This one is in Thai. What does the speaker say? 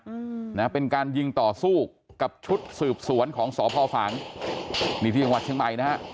อืมนะเป็นการยิงต่อสู้กับชุดสืบสวนของสพฝางนี่ที่จังหวัดเชียงใหม่นะฮะ